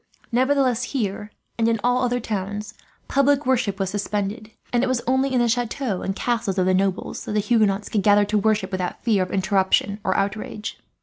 Nevertheless here, and in all other towns, public worship was suspended; and it was only in the chateaux and castles of the nobles that the Huguenots could gather to worship without fear of interruption or outrage.